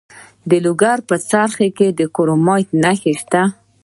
د لوګر په څرخ کې د کرومایټ نښې شته.